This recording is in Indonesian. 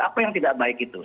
apa yang tidak baik itu